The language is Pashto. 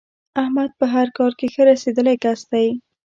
احمد په هر کار کې ښه رسېدلی کس دی.